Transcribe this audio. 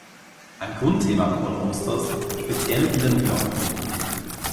Ein Grundthema Paul Austers, speziell in der "New-York-Trilogie".